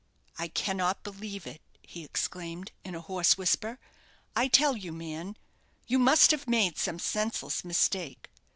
"I cannot believe it," he exclaimed, in a hoarse whisper. "I tell you, man, you must, have made some senseless mistake.